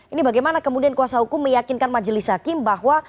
ini bagaimana kemudian kuasa hukum meyakinkan majelis hakim bahwa